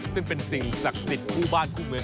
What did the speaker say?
ซึ่งเป็นสิ่งศักดิ์สิทธิ์คู่บ้านคู่เมือง